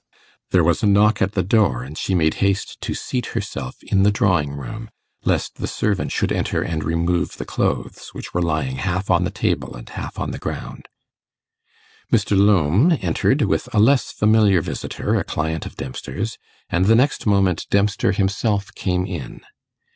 There was a knock at the door, and she made haste to seat herself in the drawing room, lest the servant should enter and remove the clothes, which were lying half on the table and half on the ground. Mr. Lowme entered with a less familiar visitor, a client of Dempster's, and the next moment Dempster himself came in.